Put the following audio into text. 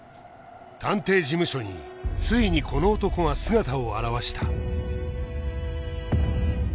探偵事務所についにこの男が姿を現した